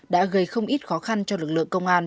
đã gây không ít khó khăn cho lực lượng công an